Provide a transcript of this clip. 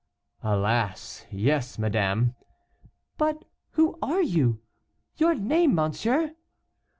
"Alas! yes, madame." "But who are you? your name, monsieur?"